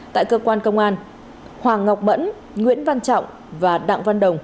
tại cơ quan công an hoàng ngọc mẫn nguyễn văn trọng và đặng văn đồng